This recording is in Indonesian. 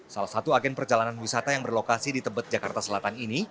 salah satu agen perjalanan wisata yang berlokasi di tebet jakarta selatan ini